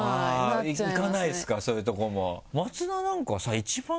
行かないですかそういうとこも。